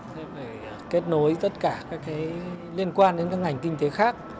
thế phải kết nối tất cả các cái liên quan đến các ngành kinh tế khác